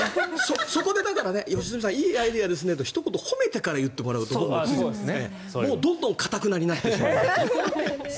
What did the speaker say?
そこで良純さんいいアイデアですねとひと言褒めてから言ってもらうと僕もどんどん頑なになってしまうという。